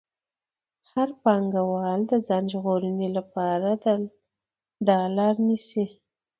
هر پانګوال د ځان ژغورنې لپاره دا لار نیسي